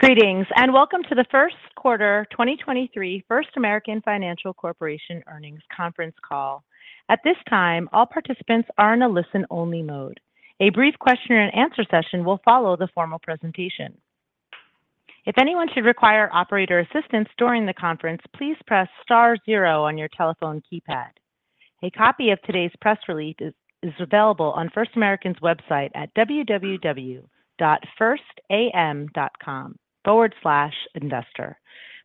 Greetings, and welcome to the First Quarter 2023 First American Financial Corporation Earnings Conference Call. At this time, all participants are in a listen only mode. A brief question and answer session will follow the formal presentation. If anyone should require operator assistance during the conference, please press star zero on your telephone keypad. A copy of today's press release is available on First American's website at www.firstam.com/investor.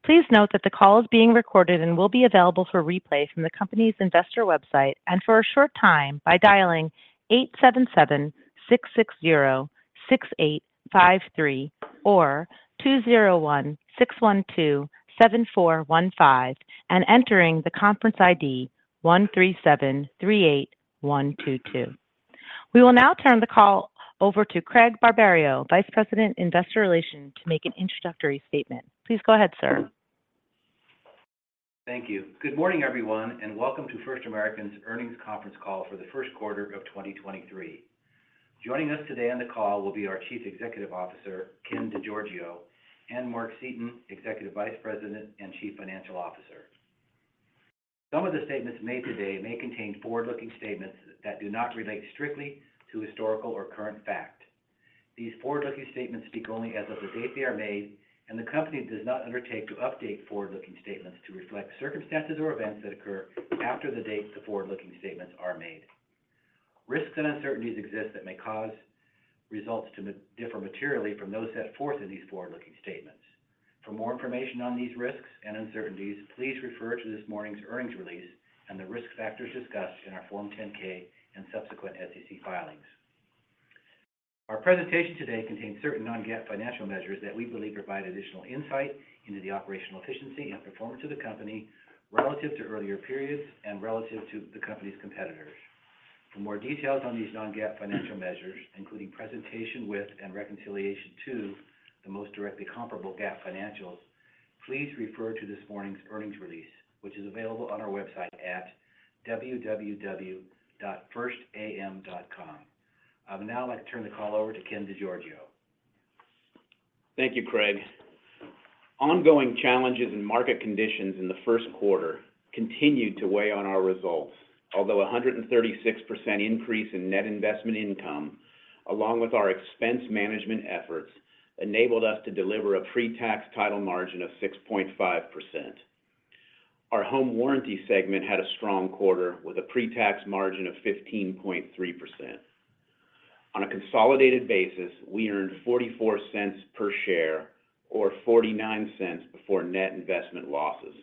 Please note that the call is being recorded and will be available for replay from the company's investor website and for a short time by dialing 877-660-6853 or 201-612-7415 and entering the conference ID 13738122. We will now turn the call over to Craig Barberio, Vice President, Investor Relations, to make an introductory statement. Please go ahead, sir. Thank you. Good morning, everyone, and welcome to First American's Earnings Conference Call for the First Quarter of 2023. Joining us today on the call will be our Chief Executive Officer, Ken DeGiorgio, and Mark Seaton, Executive Vice President and Chief Financial Officer. Some of the statements made today may contain forward-looking statements that do not relate strictly to historical or current fact. These forward-looking statements speak only as of the date they are made, and the company does not undertake to update forward-looking statements to reflect circumstances or events that occur after the date the forward-looking statements are made. Risks and uncertainties exist that may cause results to differ materially from those set forth in these forward-looking statements. For more information on these risks and uncertainties, please refer to this morning's earnings release and the risk factors discussed in our Form 10-K and subsequent SEC filings. Our presentation today contains certain non-GAAP financial measures that we believe provide additional insight into the operational efficiency and performance of the company relative to earlier periods and relative to the company's competitors. For more details on these non-GAAP financial measures, including presentation with and reconciliation to the most directly comparable GAAP financials, please refer to this morning's earnings release, which is available on our website at www.firstam.com. I would now like to turn the call over to Ken DeGiorgio. Thank you, Craig. Ongoing challenges and market conditions in the first quarter continued to weigh on our results. Although a 136% increase in net investment income, along with our expense management efforts, enabled us to deliver a pre-tax title margin of 6.5%. Our home warranty segment had a strong quarter with a pre-tax margin of 15.3%. On a consolidated basis, we earned $0.44 per share or $0.49 before net investment losses.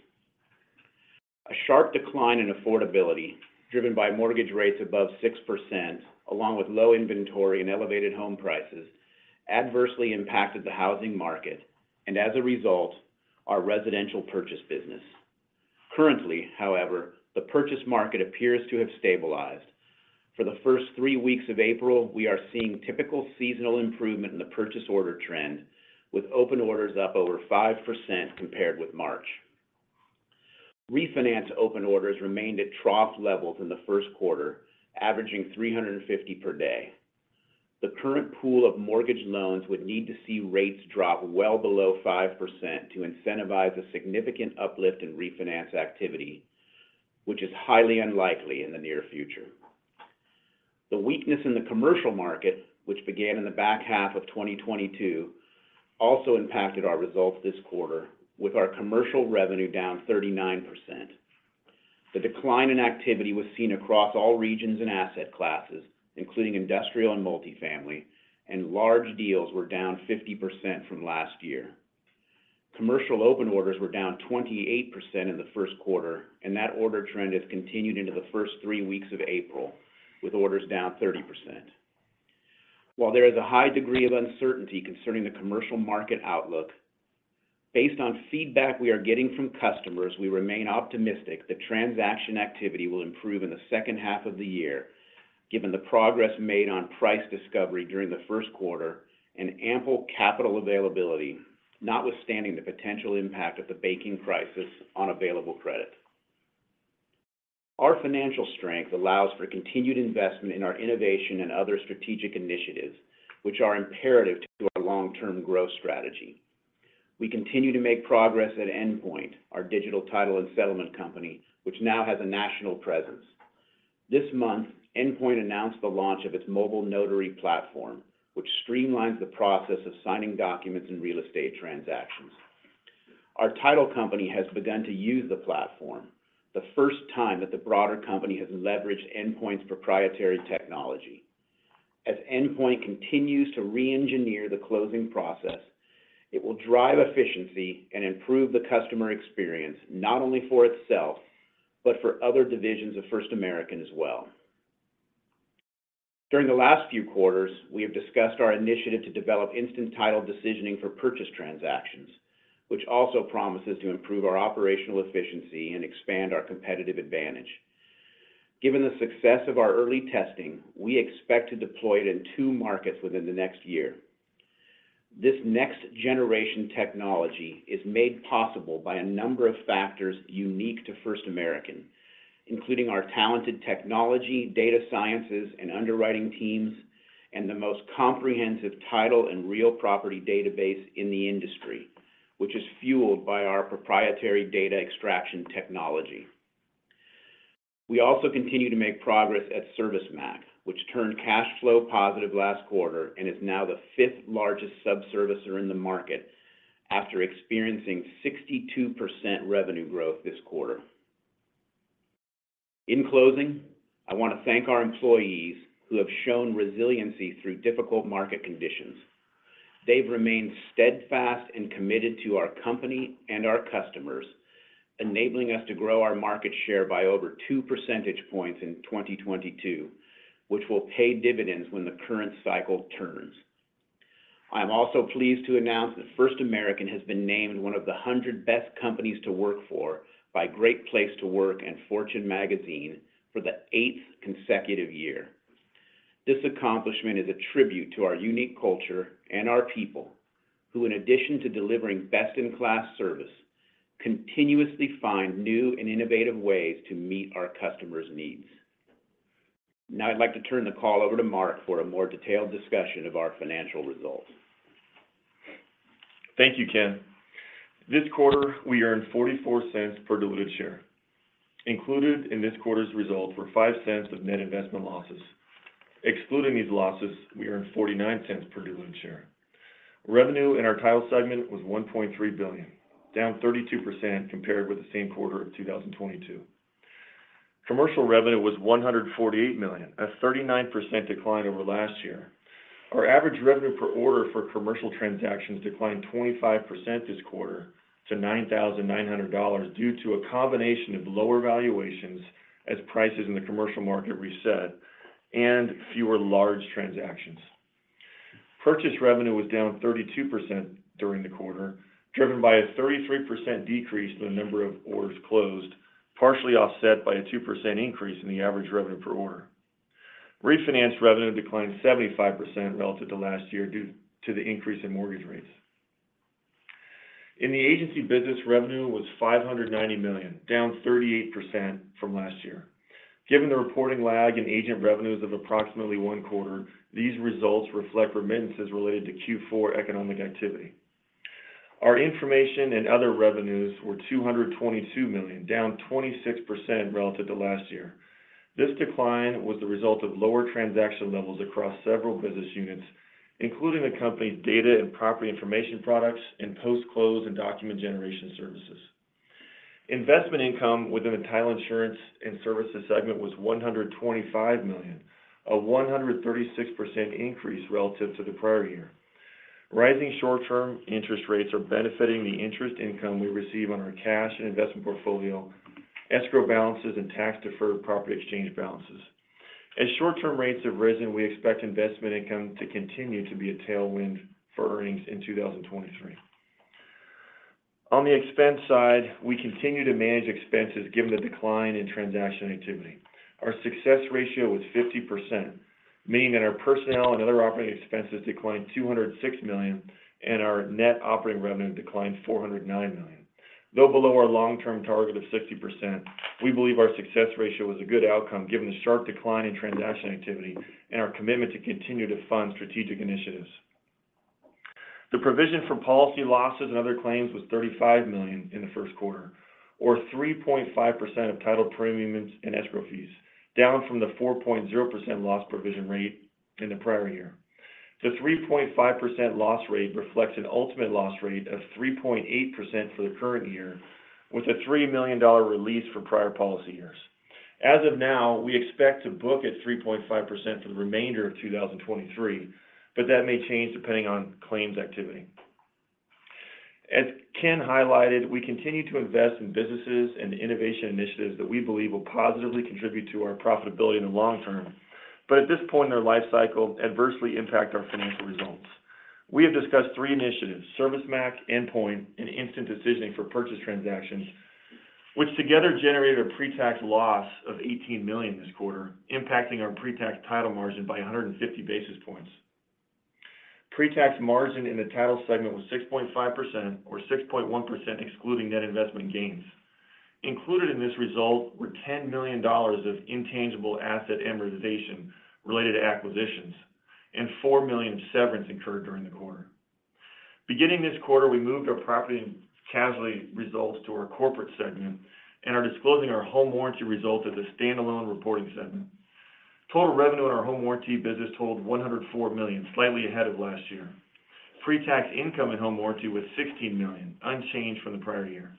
A sharp decline in affordability driven by mortgage rates above 6%, along with low inventory and elevated home prices, adversely impacted the housing market and, as a result, our residential purchase business. Currently, however, the purchase market appears to have stabilized. For the first three weeks of April, we are seeing typical seasonal improvement in the purchase order trend, with open orders up over 5% compared with March. Refinance open orders remained at trough levels in the first quarter, averaging 350 per day. The current pool of mortgage loans would need to see rates drop well below 5% to incentivize a significant uplift in refinance activity, which is highly unlikely in the near future. The weakness in the commercial market, which began in the back half of 2022, also impacted our results this quarter with our commercial revenue down 39%. The decline in activity was seen across all regions and asset classes, including industrial and multifamily, and large deals were down 50% from last year. Commercial open orders were down 28% in the first quarter. That order trend has continued into the first three weeks of April with orders down 30%. While there is a high degree of uncertainty concerning the commercial market outlook, based on feedback we are getting from customers, we remain optimistic that transaction activity will improve in the second half of the year, given the progress made on price discovery during the first quarter and ample capital availability, notwithstanding the potential impact of the banking crisis on available credit. Our financial strength allows for continued investment in our innovation and other strategic initiatives, which are imperative to our long-term growth strategy. We continue to make progress at Endpoint, our digital title and settlement company, which now has a national presence. This month, Endpoint announced the launch of its mobile notary platform, which streamlines the process of signing documents in real estate transactions. Our title company has begun to use the platform, the first time that the broader company has leveraged Endpoint's proprietary technology. As Endpoint continues to re-engineer the closing process, it will drive efficiency and improve the customer experience, not only for itself, but for other divisions of First American as well. During the last few quarters, we have discussed our initiative to develop instant title decisioning for purchase transactions, which also promises to improve our operational efficiency and expand our competitive advantage. Given the success of our early testing, we expect to deploy it in two markets within the next year. This next generation technology is made possible by a number of factors unique to First American, including our talented technology, data sciences, and underwriting teams, and the most comprehensive title and real property database in the industry, which is fueled by our proprietary data extraction technology. We also continue to make progress at ServiceMac, which turned cash flow positive last quarter and is now the fifth largest subservicer in the market after experiencing 62% revenue growth this quarter. In closing, I want to thank our employees who have shown resiliency through difficult market conditions. They've remained steadfast and committed to our company and our customers, enabling us to grow our market share by over 2 percentage points in 2022, which will pay dividends when the current cycle turns. I'm also pleased to announce that First American has been named one of the 100 best companies to work for by Great Place to Work and Fortune Magazine for the eighth consecutive year. This accomplishment is a tribute to our unique culture and our people, who in addition to delivering best-in-class service, continuously find new and innovative ways to meet our customers' needs. I'd like to turn the call over to Mark for a more detailed discussion of our financial results. Thank you, Ken. This quarter, we earned $0.44 per diluted share. Included in this quarter's result were $0.05 of net investment losses. Excluding these losses, we earned $0.49 per diluted share. Revenue in our title segment was $1.3 billion, down 32% compared with the same quarter of 2022. Commercial revenue was $148 million, a 39% decline over last year. Our average revenue per order for commercial transactions declined 25% this quarter to $9,900 due to a combination of lower valuations as prices in the commercial market reset and fewer large transactions. Purchase revenue was down 32% during the quarter, driven by a 33% decrease in the number of orders closed, partially offset by a 2% increase in the average revenue per order. Refinance revenue declined 75% relative to last year due to the increase in mortgage rates. In the agency business, revenue was $590 million, down 38% from last year. Given the reporting lag in agent revenues of approximately one quarter, these results reflect remittances related to Q4 economic activity. Our information and other revenues were $222 million, down 26% relative to last year. This decline was the result of lower transaction levels across several business units, including the company's data and property information products and post-close and document generation services. Investment income within the title insurance and services segment was $125 million, a 136% increase relative to the prior year. Rising short-term interest rates are benefiting the interest income we receive on our cash and investment portfolio, escrow balances, and tax-deferred property exchange balances. As short-term rates have risen, we expect investment income to continue to be a tailwind for earnings in 2023. On the expense side, we continue to manage expenses given the decline in transaction activity. Our success ratio was 50%, meaning that our personnel and other operating expenses declined $206 million and our net operating revenue declined $409 million. Though below our long-term target of 60%, we believe our success ratio was a good outcome given the sharp decline in transaction activity and our commitment to continue to fund strategic initiatives. The provision for policy losses and other claims was $35 million in the first quarter, or 3.5% of title premiums and escrow fees, down from the 4.0% loss provision rate in the prior year. The 3.5% loss rate reflects an ultimate loss rate of 3.8% for the current year, with a $3 million release for prior policy years. Of now, we expect to book at 3.5% for the remainder of 2023, that may change depending on claims activity. Ken highlighted, we continue to invest in businesses and innovation initiatives that we believe will positively contribute to our profitability in the long term, at this point in their life cycle adversely impact our financial results. We have discussed three initiatives, ServiceMac, Endpoint, and instant decisioning for purchase transactions, which together generated a pre-tax loss of $18 million this quarter, impacting our pre-tax title margin by 150 basis points. Pre-tax margin in the title segment was 6.5% or 6.1% excluding net investment gains. Included in this result were $10 million of intangible asset amortization related to acquisitions and $4 million severance incurred during the quarter. Beginning this quarter, we moved our property and casualty results to our corporate segment and are disclosing our home warranty result as a stand-alone reporting segment. Total revenue in our home warranty business totaled $104 million, slightly ahead of last year. Pre-tax income in home warranty was $16 million, unchanged from the prior year.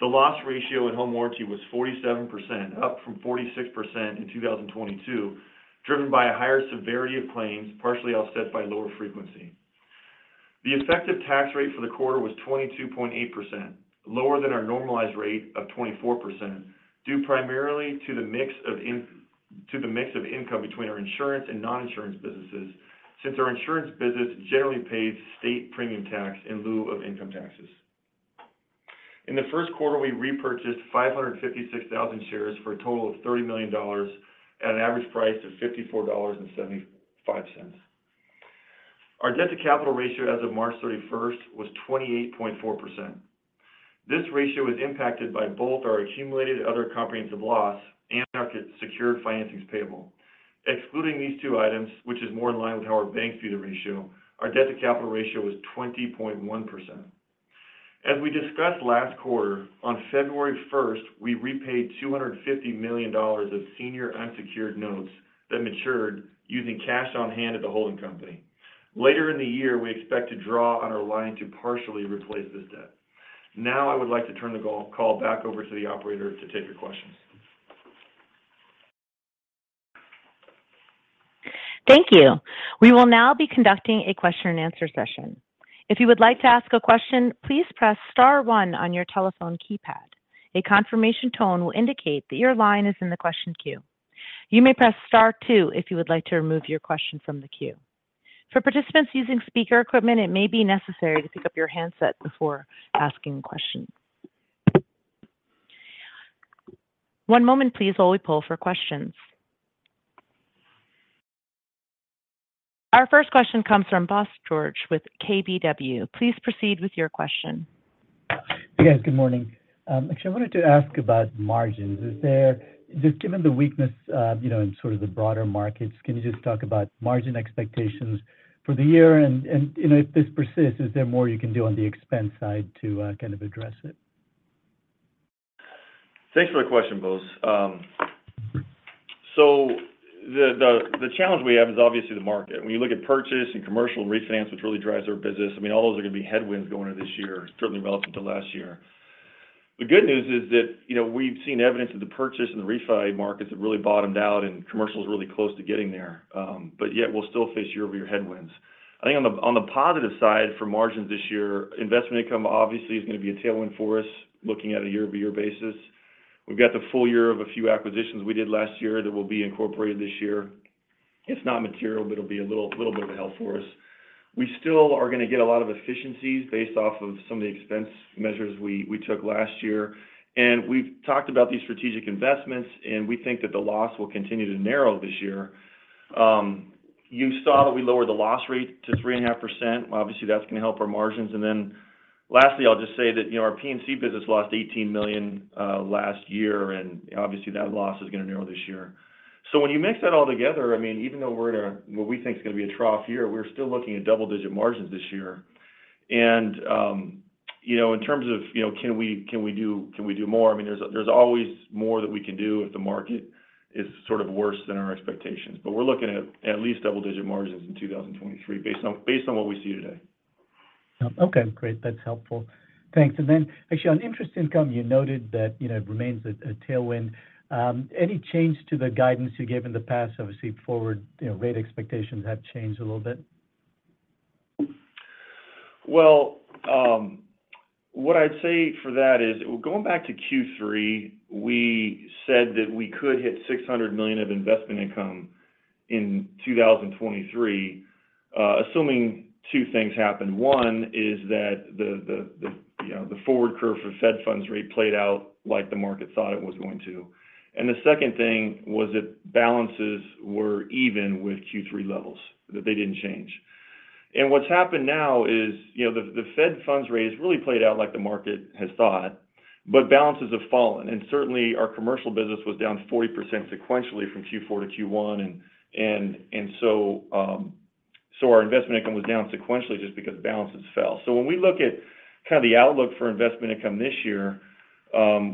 The loss ratio in home warranty was 47%, up from 46% in 2022, driven by a higher severity of claims, partially offset by lower frequency. The effective tax rate for the quarter was 22.8%, lower than our normalized rate of 24%, due primarily to the mix of income between our insurance and non-insurance businesses since our insurance business generally pays state premium tax in lieu of income taxes. In the first quarter, we repurchased 556,000 shares for a total of $30 million at an average price of $54.75. Our debt-to-capital ratio as of March 31st was 28.4%. This ratio is impacted by both our accumulated other comprehensive loss and our secured financings payable. Excluding these two items, which is more in line with our bank fee to ratio, our debt-to-capital ratio was 20.1%. As we discussed last quarter, on February 1st, we repaid $250 million of senior unsecured notes that matured using cash on hand at the holding company. Later in the year, we expect to draw on our line to partially replace this debt. I would like to turn the call back over to the operator to take your questions. Thank you. We will now be conducting a question and answer session. If you would like to ask a question, please press star one on your telephone keypad. A confirmation tone will indicate that your line is in the question queue. You may press star two if you would like to remove your question from the queue. For participants using speaker equipment, it may be necessary to pick up your handset before asking questions. One moment please while we poll for questions. Our first question comes from Bose George with KBW. Please proceed with your question. Yes, good morning. actually, I wanted to ask about margins. Just given the weakness, you know, in sort of the broader markets, can you just talk about margin expectations for the year? You know, if this persists, is there more you can do on the expense side to, kind of address it? Thanks for the question, Bose. The challenge we have is obviously the market. When you look at purchase and commercial refinance, which really drives our business, I mean, all those are going to be headwinds going into this year, certainly relative to last year. The good news is that, you know, we've seen evidence of the purchase in the refi markets have really bottomed out and commercial is really close to getting there. Yet we'll still face year-over-year headwinds. I think on the positive side for margins this year, investment income obviously is going to be a tailwind for us looking at a year-over-year basis. We've got the full year of a few acquisitions we did last year that will be incorporated this year. It's not material, but it'll be a little bit of a help for us. We still are going to get a lot of efficiencies based off of some of the expense measures we took last year. We've talked about these strategic investments, and we think that the loss will continue to narrow this year. You saw that we lowered the loss rate to 3.5%. Obviously, that's going to help our margins. Lastly, I'll just say that, you know, our PNC business lost $18 million last year, and obviously that loss is going to narrow this year. When you mix that all together, I mean, even though we're in a, what we think is going to be a trough year, we're still looking at double-digit margins this year. You know, in terms of, you know, can we do more? I mean, there's always more that we can do if the market is sort of worse than our expectations. We're looking at at least double-digit margins in 2023 based on, based on what we see today. Okay, great. That's helpful. Thanks. Actually on interest income, you noted that, you know, it remains a tailwind. Any change to the guidance you gave in the past? Obviously, forward, you know, rate expectations have changed a little bit. What I'd say for that is going back to Q3, we said that we could hit $600 million of investment income in 2023, assuming two things happen. One is that the, you know, the forward curve for federal funds rate played out like the market thought it was going to. The second thing was that balances were even with Q3 levels, that they didn't change. What's happened now is, you know, the federal funds rate has really played out like the market has thought, but balances have fallen. Certainly, our commercial business was down 40% sequentially from Q4 to Q1, and so our investment income was down sequentially just because balances fell. When we look at kind of the outlook for investment income this year,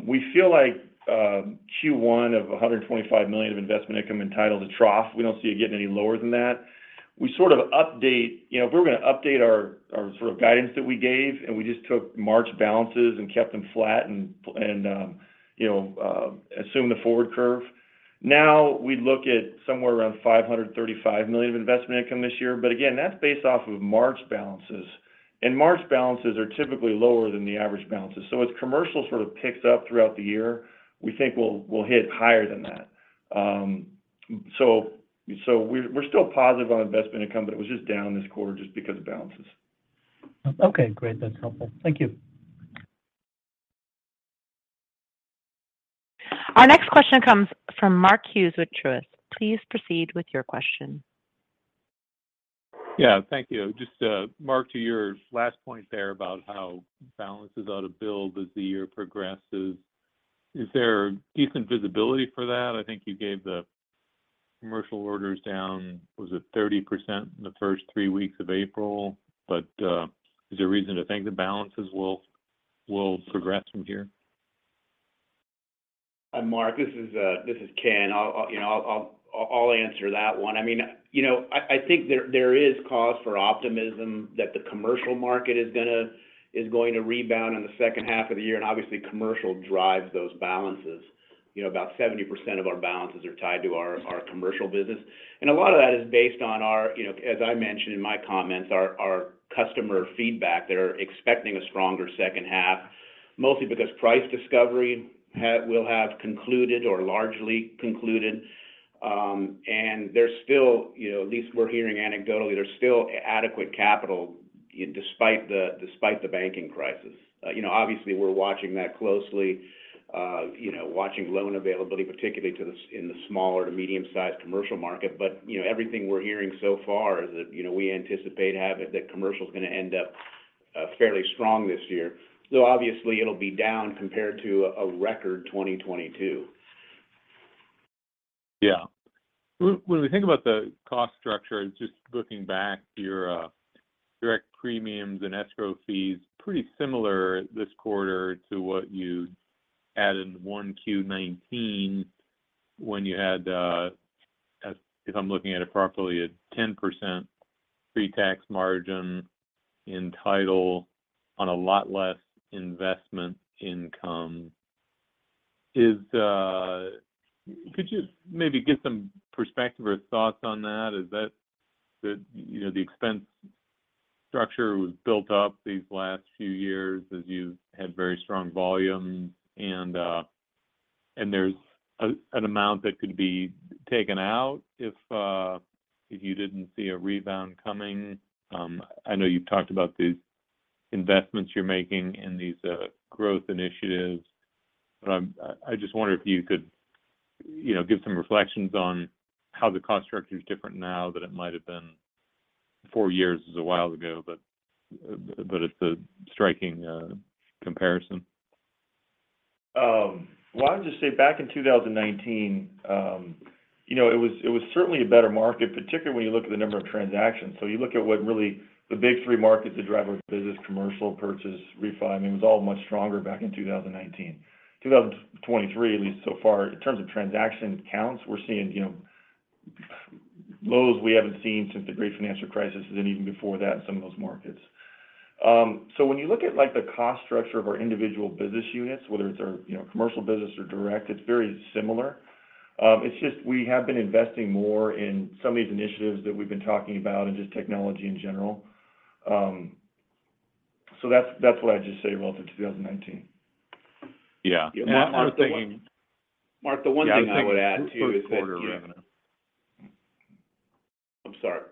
we feel like Q1 of $125 million of investment income entitled to trough. We don't see it getting any lower than that. We sort of You know, if we were going to update our sort of guidance that we gave, and we just took March balances and kept them flat and, you know, assume the forward curve. We look at somewhere around $535 million of investment income this year. Again, that's based off of March balances. March balances are typically lower than the average balances. As commercial sort of picks up throughout the year, we think we'll hit higher than that. We're still positive on investment income, but it was just down this quarter just because of balances. Great. That's helpful. Thank you. Our next question comes from Mark Hughes with Truist. Please proceed with your question. Yeah. Thank you. Just, Mark, to your last point there about how balances ought to build as the year progresses. Is there decent visibility for that? I think you gave the commercial orders down, was it 30% in the first three weeks of April? Is there reason to think the balances will progress from here? Mark, this is Ken. I'll, you know, I'll answer that one. I mean, you know, I think there is cause for optimism that the commercial market is going to rebound in the second half of the year, and obviously, commercial drives those balances. You know, about 70% of our balances are tied to our commercial business. And a lot of that is based on our, you know, as I mentioned in my comments, our customer feedback. They're expecting a stronger second half, mostly because price discovery will have concluded or largely concluded. And there's still, you know, at least we're hearing anecdotally, there's still adequate capital despite the banking crisis. You know, obviously, we're watching that closely, you know, watching loan availability, particularly to the in the smaller to medium-sized commercial market. You know, everything we're hearing so far is that, you know, we anticipate to have it that commercial is going to end up fairly strong this year, though obviously it'll be down compared to a record 2022. Yeah. When we think about the cost structure and just looking back, your direct premiums and escrow fees pretty similar this quarter to what you had in 1Q 2019 when you had, as if I'm looking at it properly, a 10% pre-tax title margin on a lot less investment income. Could you maybe give some perspective or thoughts on that? Is that the, you know, the expense structure was built up these last few years as you had very strong volume and there's an amount that could be taken out if you didn't see a rebound coming? I know you've talked about the investments you're making in these growth initiatives, but I just wonder if you could, you know, give some reflections on how the cost structure is different now than it might have been. Four years is a while ago, but it's a striking comparison. Well, I'll just say back in 2019, you know, it was certainly a better market, particularly when you look at the number of transactions. You look at what really the big three markets that drive our business, commercial, purchase, refi, I mean, it was all much stronger back in 2019. 2023, at least so far, in terms of transaction counts, we're seeing, you know, lows we haven't seen since the Great Financial Crisis and even before that in some of those markets. When you look at, like, the cost structure of our individual business units, whether it's our, you know, commercial business or direct, it's very similar. It's just we have been investing more in some of these initiatives that we've been talking about and just technology in general. That's what I'd just say relative to 2019. Yeah. Mark, the one thing- Yeah, I'm thinking first quarter revenue. I'm sorry.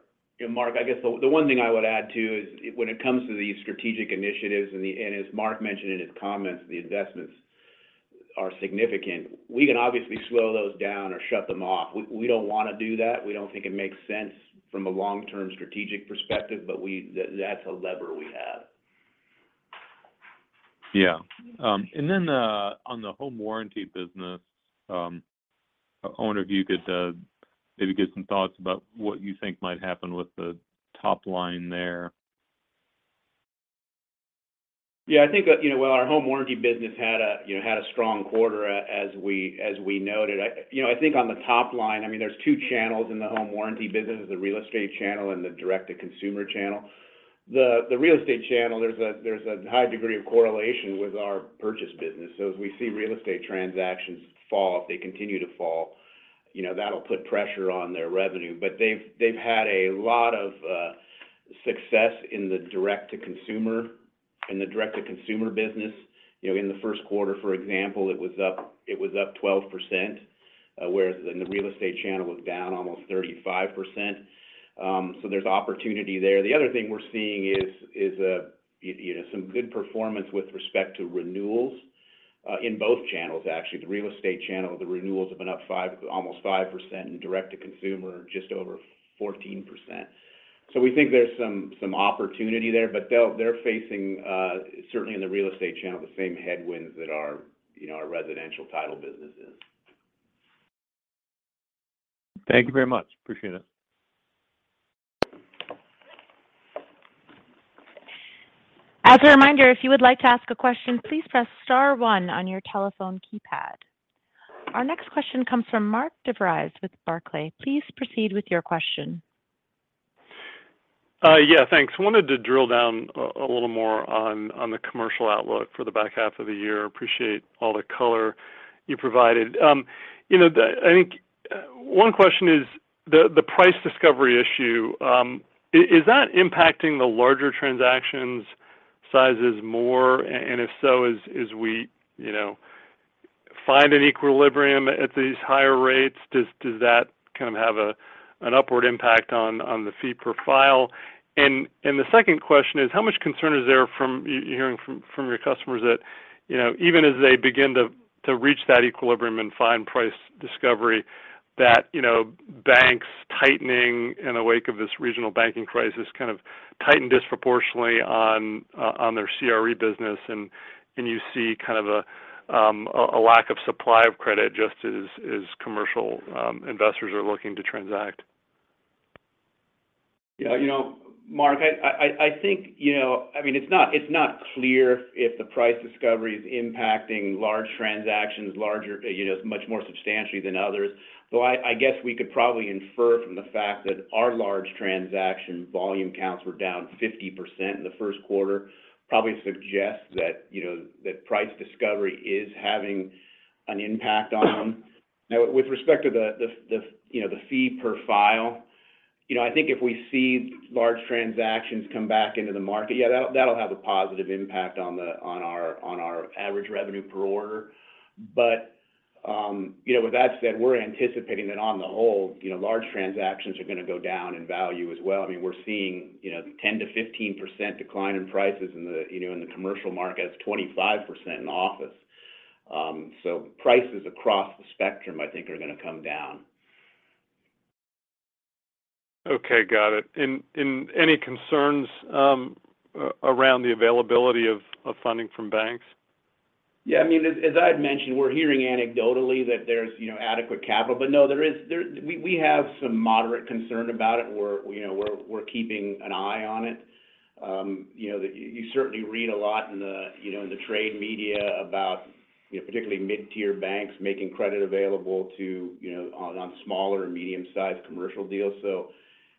Mark, I guess the one thing I would add, too, is when it comes to these strategic initiatives, as Mark mentioned in his comments, the investments are significant. We can obviously slow those down or shut them off. We don't wanna do that. We don't think it makes sense from a long-term strategic perspective, that's a lever we have. Yeah. On the home warranty business, I wonder if you could, maybe give some thoughts about what you think might happen with the top line there. Yeah. I think, you know, while our home warranty business had a, you know, had a strong quarter as we noted. I, you know, I think on the top line, I mean, there's two channels in the home warranty business, the real estate channel and the direct-to-consumer channel. The real estate channel, there's a high degree of correlation with our purchase business. As we see real estate transactions fall, if they continue to fall, you know, that'll put pressure on their revenue. They've had a lot of success in the direct-to-consumer business. You know, in the first quarter, for example, it was up 12%, whereas in the real estate channel, it was down almost 35%. There's opportunity there. The other thing we're seeing is, you know, some good performance with respect to renewals in both channels, actually. The real estate channel, the renewals have been up almost 5%, and direct-to-consumer, just over 14%. We think there's some opportunity there. They're facing, certainly in the real estate channel, the same headwinds that our, you know, our residential title business is. Thank you very much. Appreciate it. As a reminder, if you would like to ask a question, please press star one on your telephone keypad. Our next question comes from Mark DeVries with Barclays. Please proceed with your question. Yeah, thanks. I wanted to drill down a little more on the commercial outlook for the back half of the year. Appreciate all the color you provided. You know, I think one question is the price discovery issue, is that impacting the larger transactions sizes more? If so, as we, you know, find an equilibrium at these higher rates, does that kind of have an upward impact on the fee per file? The second question is how much concern is there from you're hearing from your customers that, you know, even as they begin to reach that equilibrium and find price discovery that, you know, banks tightening in the wake of this regional banking crisis kind of tighten disproportionately on their CRE business and you see kind of a lack of supply of credit just as commercial investors are looking to transact? Yeah. You know, Mark, I think, you know... I mean, it's not, it's not clear if the price discovery is impacting large transactions larger, you know, much more substantially than others, though I guess we could probably infer from the fact that our large transaction volume counts were down 50% in the first quarter, probably suggests that, you know, that price discovery is having an impact on them. Now with respect to the, the, you know, the fee per file, you know, I think if we see large transactions come back into the market, on our average revenue per order. You know, with that said, we're anticipating that on the whole, you know, large transactions are gonna go down in value as well. I mean, we're seeing, you know, 10%-15% decline in prices in the, you know, in the commercial market. It's 25% in office. prices across the spectrum, I think are gonna come down. Okay, got it. Any concerns, around the availability of funding from banks? Yeah, I mean, as I had mentioned, we're hearing anecdotally that there's, you know, adequate capital. No, we have some moderate concern about it. We're, you know, we're keeping an eye on it. You know, you certainly read a lot in the, you know, in the trade media about, you know, particularly mid-tier banks making credit available to, you know, on smaller or medium-sized commercial deals.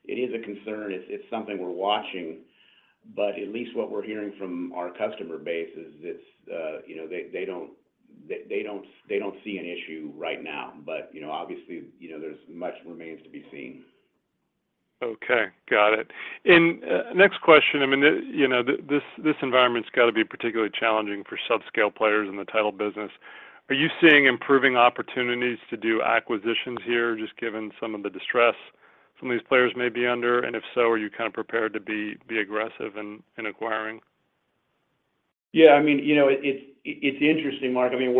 It is a concern. It's something we're watching. At least what we're hearing from our customer base is it's, you know, they don't see an issue right now. You know, obviously, you know, there's much remains to be seen. Okay. Got it. Next question. I mean, you know, this environment's gotta be particularly challenging for subscale players in the title business. Are you seeing improving opportunities to do acquisitions here, just given some of the distress some of these players may be under? If so, are you kind of prepared to be aggressive in acquiring? Yeah, I mean, you know, it's interesting, Mark. I mean,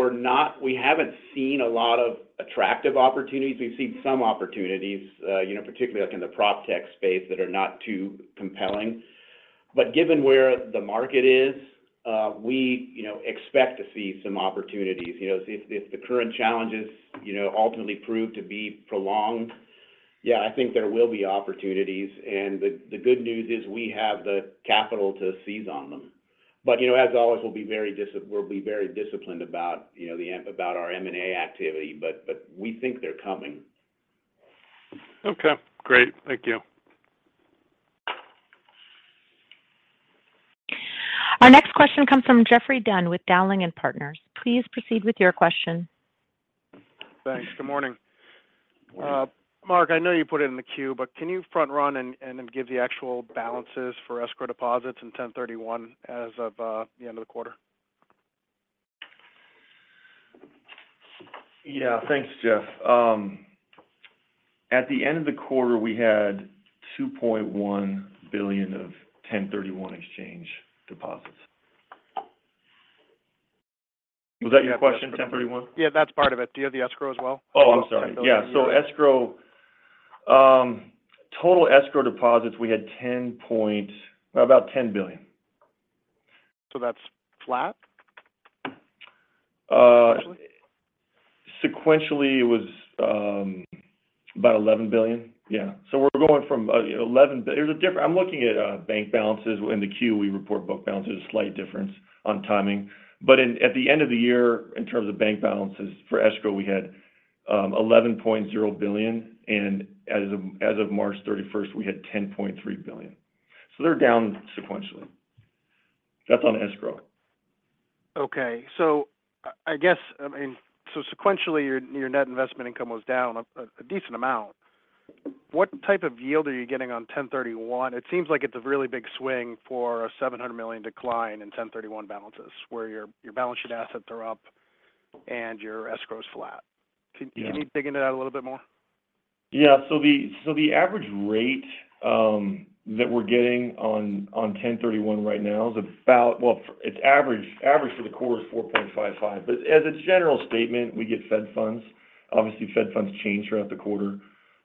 we haven't seen a lot of attractive opportunities. We've seen some opportunities, you know, particularly like in the PropTech space that are not too compelling. Given where the market is, we, you know, expect to see some opportunities. You know, if the current challenges, you know, ultimately prove to be prolonged, yeah, I think there will be opportunities. The good news is we have the capital to seize on them. You know, as always, we'll be very disciplined about, you know, about our M&A activity. We think they're coming. Okay, great. Thank you. Our next question comes from Geoffrey Dunn with Dowling & Partners. Please proceed with your question. Thanks. Good morning. Morning. Mark, I know you put it in the queue, but can you front run and then give the actual balances for escrow deposits in 1031 as of the end of the quarter? Yeah. Thanks, Geoff. At the end of the quarter, we had $2.1 billion of 1031 exchange deposits. Was that your question, 1031? Yeah, that's part of it. Do you have the escrow as well? Oh, I'm sorry. Yeah. Escrow, total escrow deposits, we had about $10 billion. That's flat? Sequentially? Sequentially, it was about $11 billion. Yeah. We're going from, you know, I'm looking at bank balances. In the Q, we report book balances, slight difference on timing. At the end of the year, in terms of bank balances for escrow, we had $11.0 billion. As of March 31st, we had $10.3 billion. They're down sequentially. That's on escrow. Okay. I guess, I mean, sequentially, your net investment income was down a decent amount. What type of yield are you getting on 1031? It seems like it's a really big swing for a $700 million decline in 1031 balances where your balance sheet assets are up and your escrow is flat. Yeah. Can you dig into that a little bit more? Yeah. The average rate that we're getting on 1031 right now is about average for the quarter 4.55. As a general statement, we get Fed funds. Obviously, Fed funds change throughout the quarter.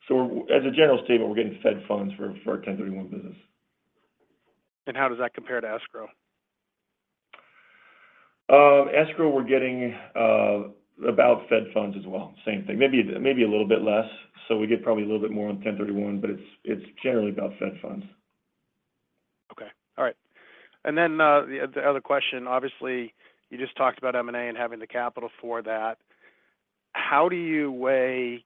As a general statement, we're getting Fed funds for our 1031 business. How does that compare to escrow? Escrow, we're getting about Fed funds as well. Same thing. Maybe a little bit less. We get probably a little bit more on 1031, but it's generally about Fed funds. Okay. All right. The other question, obviously, you just talked about M&A and having the capital for that. How do you weigh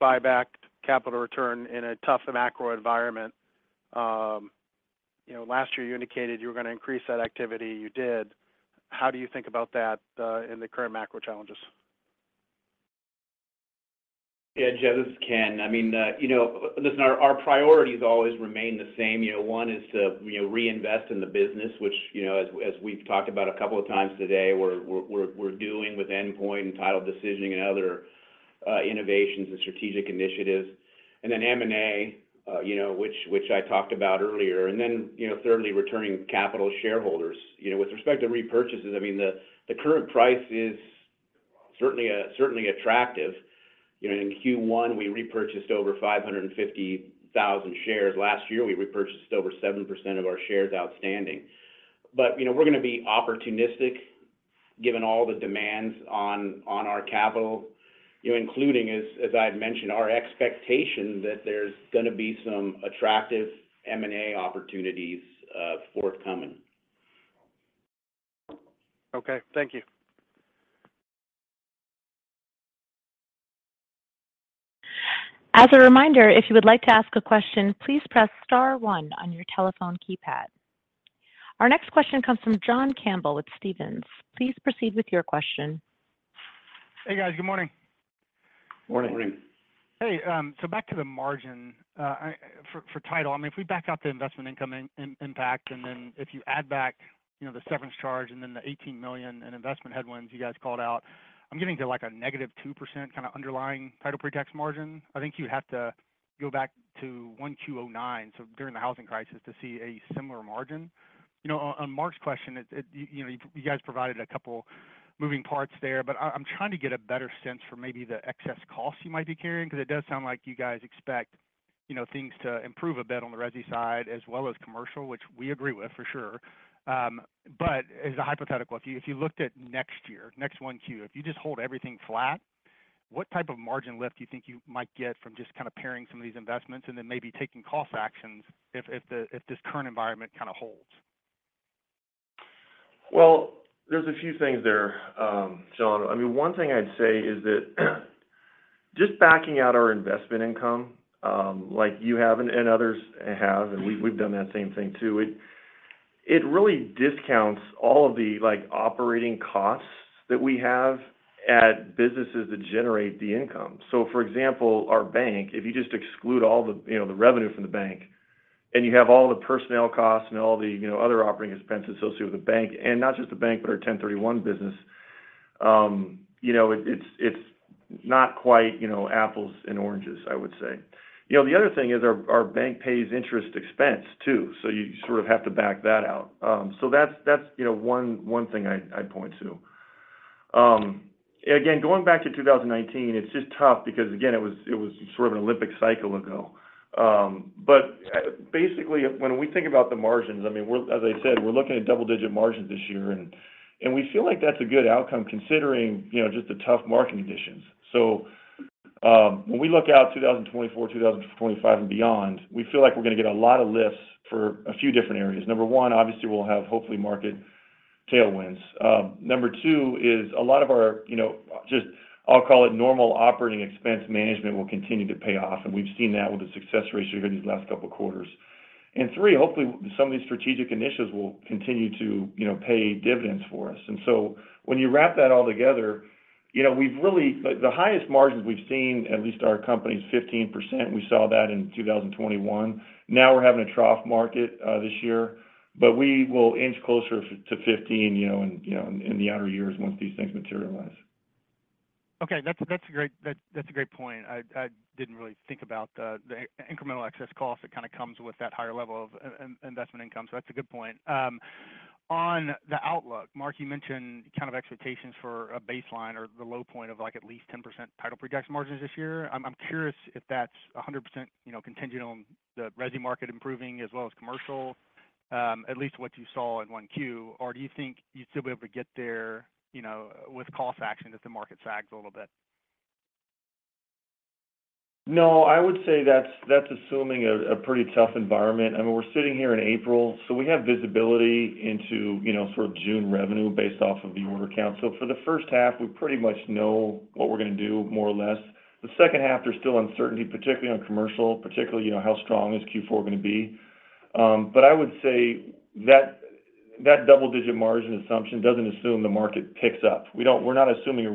buyback capital return in a tough macro environment? You know, last year you indicated you were gonna increase that activity. You did. How do you think about that in the current macro challenges? Yeah. Geoff, this is Ken. I mean, you know, listen, our priorities always remain the same. You know, one is to, you know, reinvest in the business, which, you know, as we've talked about a couple of times today, we're doing with Endpoint and Title Decision and other innovations and strategic initiatives. M&A, you know, which I talked about earlier. You know, thirdly, returning capital to shareholders. You know, with respect to repurchases, I mean, the current price is certainly attractive. You know, in Q1, we repurchased over 550,000 shares. Last year, we repurchased over 7% of our shares outstanding. You know, we're gonna be opportunistic given all the demands on our capital, you know, including, as I had mentioned, our expectation that there's gonna be some attractive M&A opportunities forthcoming. Okay. Thank you. As a reminder, if you would like to ask a question, please press star one on your telephone keypad. Our next question comes from John Campbell with Stephens. Please proceed with your question. Hey, guys. Good morning. Morning. Morning. Hey, back to the margin for title. I mean, if we back out the investment income impact, and then if you add back, you know, the severance charge and then the $18 million in investment headwinds you guys called out, I'm getting to, like, a negative 2% kind of underlying title pre-tax margin. I think you have to go back to 1Q 2009, so during the housing crisis, to see a similar margin. You know, on Mark's question, it. You know, you guys provided a couple moving parts there, but I'm trying to get a better sense for maybe the excess costs you might be carrying, because it does sound like you guys expect. You know, things to improve a bit on the resi side as well as commercial, which we agree with for sure. As a hypothetical, if you looked at next year, next 1Q, if you just hold everything flat, what type of margin lift do you think you might get from just kind of pairing some of these investments and then maybe taking cost actions if this current environment kind of holds? Well, there's a few things there, John. I mean, one thing I'd say is that just backing out our investment income, like you have and others have, and we've done that same thing too. It really discounts all of the like operating costs that we have at businesses that generate the income. For example, our bank, if you just exclude all the, you know, the revenue from the bank, and you have all the personnel costs and all the, you know, other operating expenses associated with the bank, and not just the bank, but our 1031 business, you know, it's not quite, you know, apples and oranges, I would say. You know, the other thing is our bank pays interest expense too, so you sort of have to back that out. That's, you know, one thing I'd point to. Again, going back to 2019, it's just tough because again, it was sort of an Olympic cycle ago. Basically when we think about the margins, I mean, we're, as I said, we're looking at double-digit margins this year, and we feel like that's a good outcome considering, you know, just the tough market conditions. When we look out 2024, 2025 and beyond, we feel like we're gonna get a lot of lifts for a few different areas. Number one, obviously we'll have hopefully market tailwinds. Number two is a lot of our, you know, just, I'll call it normal operating expense management will continue to pay off, and we've seen that with the success ratio here these last couple of quarters. Three, hopefully some of these strategic initiatives will continue to, you know, pay dividends for us. When you wrap that all together, you know, we've really. The highest margins we've seen, at least our company's 15%, we saw that in 2021. Now we're having a trough market this year, but we will inch closer to 15, you know, in, you know, in the outer years once these things materialize. That's a great point. I didn't really think about the incremental excess cost that kind of comes with that higher level of investment income. That's a good point. On the outlook, Mark, you mentioned kind of expectations for a baseline or the low point of like at least 10% title projection margins this year. I'm curious if that's a hundred percent, you know, contingent on the resi market improving as well as commercial, at least what you saw in 1Q. Do you think you'd still be able to get there, you know, with cost action if the market sags a little bit? I would say that's assuming a pretty tough environment. I mean, we're sitting here in April, we have visibility into, you know, sort of June revenue based off of the order count. For the first half, we pretty much know what we're gonna do more or less. The second half, there's still uncertainty, particularly on commercial, particularly, you know, how strong is Q4 gonna be. I would say that double-digit margin assumption doesn't assume the market picks up. We're not assuming a,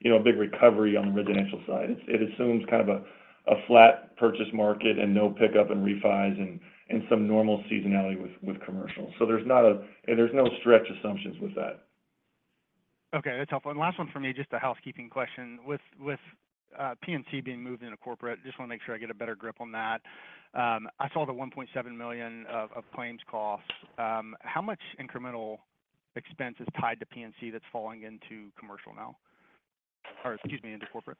you know, a big recovery on the residential side. It assumes kind of a flat purchase market and no pickup and refis and some normal seasonality with commercial. There's not a. There's no stretch assumptions with that. Okay. That's helpful. Last one from me, just a housekeeping question. With PNC being moved into corporate, just wanna make sure I get a better grip on that. I saw the $1.7 million claims costs. How much incremental expense is tied to PNC that's falling into commercial now? Or excuse me, into corporate?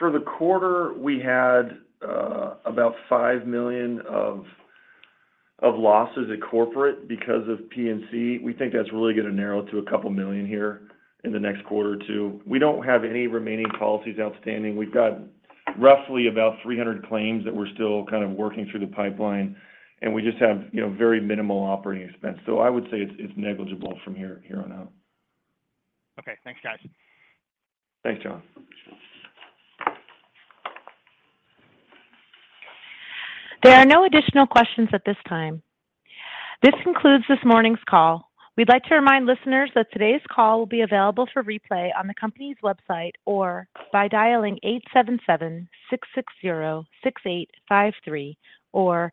For the quarter, we had about $5 million of losses at corporate because of PNC. We think that's really gonna narrow to a couple million here in the next quarter or two. We don't have any remaining policies outstanding. We've got roughly about 300 claims that we're still kind of working through the pipeline, and we just have, you know, very minimal operating expense. I would say it's negligible from here on out. Okay. Thanks, guys. Thanks, John. There are no additional questions at this time. This concludes this morning's call. We'd like to remind listeners that today's call will be available for replay on the company's website or by dialing 877-6606853 or.